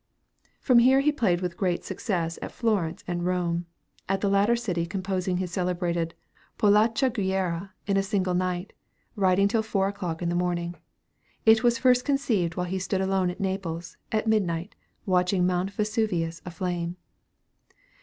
From here he played with great success at Florence and Rome, at the latter city composing his celebrated "Polacca Guerriera" in a single night, writing till four o'clock in the morning. It was first conceived while he stood alone at Naples, at midnight, watching Mount Vesuvius aflame.